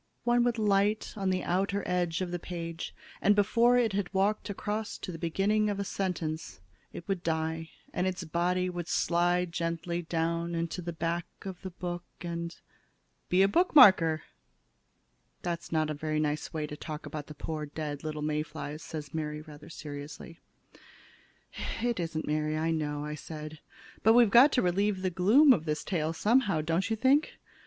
One would light on the outer edge of the page, and before it had walked across to the beginning of a sentence, it would die and its body would slide gently down into the back of the book and be a bookmarker!" "That's not a very nice way to talk about the poor little dead May flies," said Mary, rather seriously. "It isn't, Mary, I know," said I. "But we've got to relieve the gloom of this tale someway, don't you think?